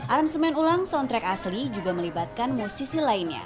aransemen ulang soundtrack asli juga melibatkan musisi lainnya